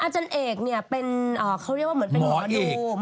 อาจารย์เอกเนี่ยเป็นเขาเรียกว่าเหมือนเป็นหมอดู